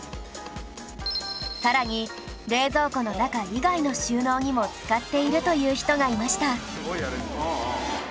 さらに冷蔵庫の中以外の収納にも使っているという人がいました